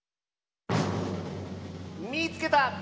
「みいつけた！